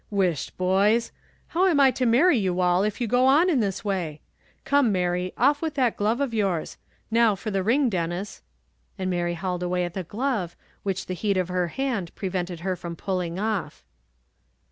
"Wisht, boys! how am I to marry you at all, if you go on this way? Come, Mary, off with that glove of yours; now for the ring, Denis:" and Mary hauled away at the glove, which the heat of her hand prevented her from pulling off.